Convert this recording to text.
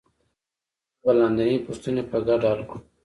موږ به لاندینۍ پوښتنې په ګډه حل کړو